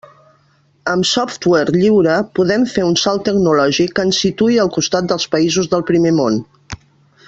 Amb software lliure podem fer un salt tecnològic que ens situï al costat de països del Primer Món.